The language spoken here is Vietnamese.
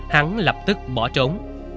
hắn lập tức bỏ trốn